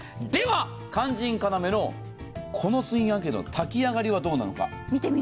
肝心要のこの炊飯器の炊き上がりはどうなのか。